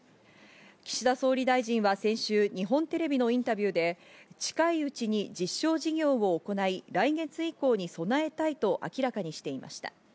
岸田総理大臣は先週、日本テレビのインタビューで近いうちに実証事業を行い、来月以降に備えたいと明らかにしていました。